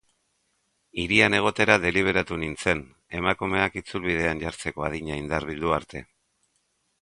Hirian egotera deliberatu nintzen, emakumeak itzulbidean jartzeko adina indar bildu arte.